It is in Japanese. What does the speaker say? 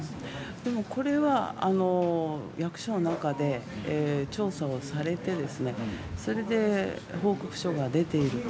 これは役所の中で調査をされてそれで報告書が出ていると。